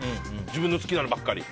自分の好きなものばっかり。